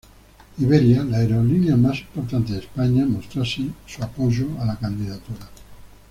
Iberia, la aerolínea más importante de España, mostró así su apoyo a la candidatura.